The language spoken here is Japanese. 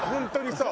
そう。